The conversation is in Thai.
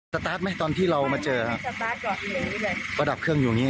ตาร์ทไหมตอนที่เรามาเจอครับก็ดับเครื่องอยู่อย่างงี